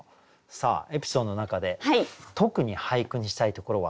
さあエピソードの中で特に俳句にしたいところはどこか。